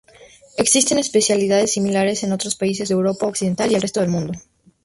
Existen especialidades similares en otros países de Europa occidental y resto del mundo.